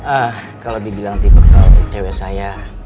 ah kalau dibilang tipe tahu cewek saya